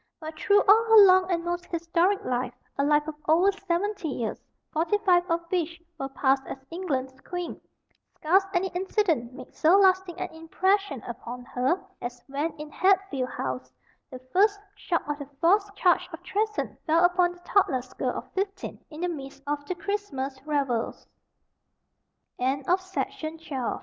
But through all her long and most historic life, a life of over seventy years, forty five of which were passed as England's queen, scarce any incident made so lasting an impression upon her as when, in Hatfield House, the first shock of the false charge of treason fell upon the thoughtless girl of fifteen in the midst of the Ch